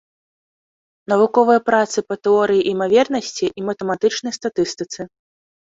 Навуковыя працы па тэорыі імавернасці і матэматычнай статыстыцы.